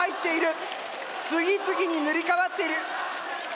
次々に塗り替わっている！